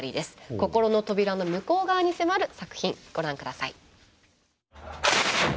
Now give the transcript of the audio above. こころの扉の向こう側に迫る作品ご覧ください。